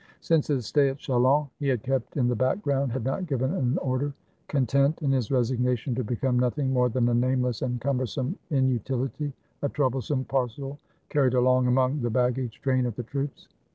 Since his stay at Chalons he had kept in the background, had not given an order; content, in his resignation, to become nothing more than a nameless and cumbersome inutility, a troublesome parcel carried along among the baggage train of the troops.